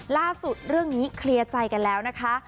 ล่าสุดเรื่องนี้เคลียร์ใจกันแล้วนะคะ